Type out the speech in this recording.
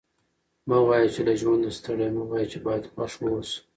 مه وايه! چي له ژونده ستړی یم؛ ووايه چي باید خوښ واوسم.